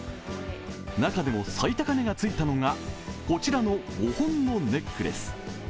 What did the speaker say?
中でも、最高値がついたのがこちらの５本のネックレス。